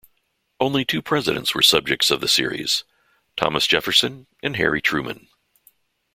Only two presidents were subjects of the series: Thomas Jefferson and Harry Truman.